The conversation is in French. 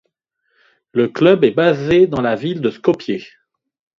Le club est basé dans la ville de Skopje.